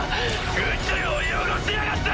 宇宙を汚しやがって！